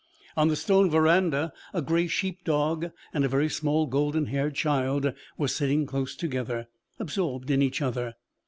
On the stone verandah a gray sheep dog and a very small golden haired child were sitting close together, absorbed in each other.